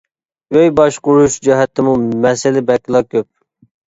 ئۆي باشقۇرۇش جەھەتتىمۇ مەسىلە بەكلا كۆپ.